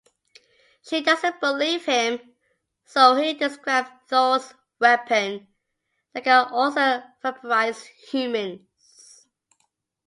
She doesn't believe him, so he describes Thor's weapon that can also vaporize humans.